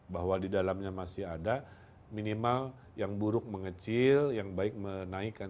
bahwa di dalamnya masih ada minimal yang buruk mengecil yang baik menaikkan